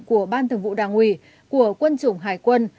của ban thường vụ đảng ủy của quân chủng hải quân